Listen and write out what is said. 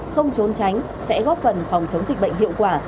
không trốn tránh sẽ góp phần phòng chống dịch bệnh hiệu quả